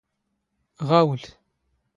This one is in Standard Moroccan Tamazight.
ⵖⴰⵡⵍ